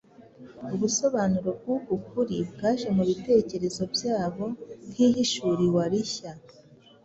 ubusobanuro bw’uku kuri bwaje mu bitekerezo byabo nk’ihishuriwa rishya